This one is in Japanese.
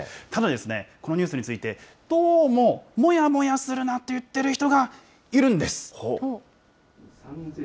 ただ、このニュースについて、どうも、もやもやするなと言っている人がいるんです。